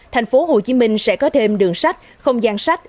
tp hcm sẽ có thêm đường sách không gian sách